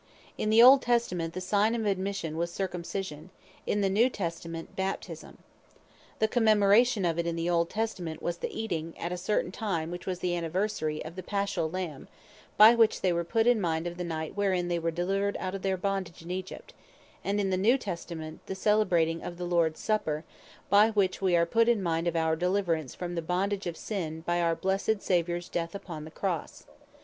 In the Old Testament, the sign of Admission was Circumcision; in the New Testament, Baptisme. The Commemoration of it in the Old Testament, was the Eating (at a certain time, which was Anniversary) of the Paschall Lamb; by which they were put in mind of the night wherein they were delivered out of their bondage in Egypt; and in the New Testament, the celebrating of the Lords Supper; by which, we are put in mind, of our deliverance from the bondage of sin, by our Blessed Saviours death upon the crosse.